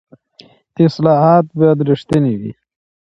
اصلاحات باید رښتیني وي